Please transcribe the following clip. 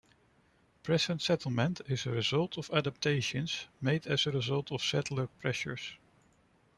Present settlement is a result of adaptations made as a result of settler pressures.